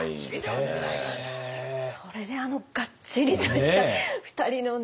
それであのがっちりとした２人のね